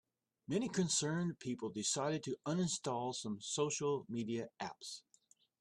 Many concerned people decided to uninstall some social media apps.